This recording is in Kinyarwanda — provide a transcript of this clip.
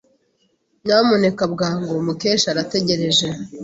Nyamuneka bwangu! Mukesha arategereje.